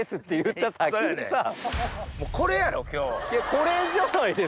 これじゃないですか？